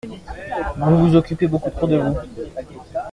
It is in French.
Vous vous occupez beaucoup trop de vous…